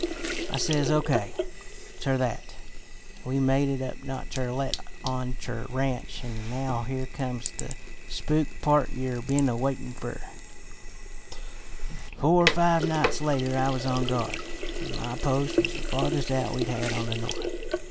"I says O. K. ter that, an' we made it up not ter let on ter Ranch; an' now here comes the spook part yer been a waitin' fer. "Four or five nights later I was on guard, an' my post was the farthest out we had on the north.